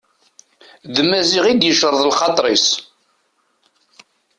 D Maziɣ i d-yecreḍ lxaṭer-is.